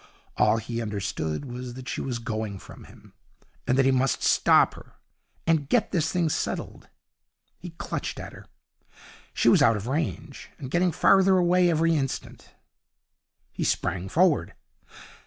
All he understood was that she was going from him, and that he must stop her and get this thing settled. He clutched at her. She was out of range, and getting farther away every instant. He sprang forward.